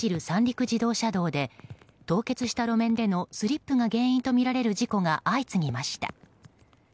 三陸自動車道で凍結した路面でのスリップが原因とみられる事故が相次ぎました。